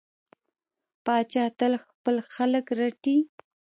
پاچا تل خپل خلک رټي.